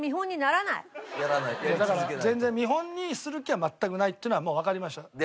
いやだから全然見本にする気は全くないっていうのはもうわかりました。